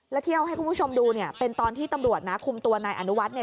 แล้วที่เอาให้คุณผู้ชมดูเนี่ยเป็นตอนที่ตำรวจนะคุมตัวนายอนุวัฒน์